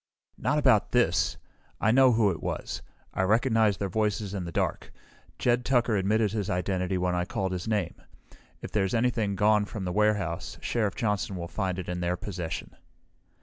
"Not about this! I know who it was. I recognized their voices in the dark. Jed Tucker admitted his identity when I called his name. If there's anything gone from the warehouse, Sheriff Johnson will find it in their possession."